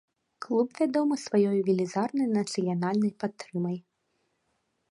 Клуб вядомы сваёй велізарнай нацыянальнай падтрымай.